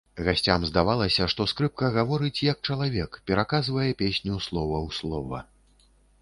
Гасцям здавалася, што скрыпка гаворыць, як чалавек, пераказвае песню слова ў слова.